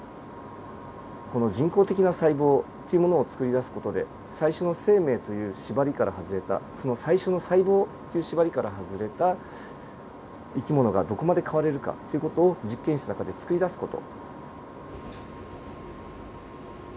この人工的な細胞っていうものをつくり出す事で最初の生命という縛りから外れたその最初の細胞という縛りから外れた生き物がどこまで変われるかという事を実験室の中でつくり出す事。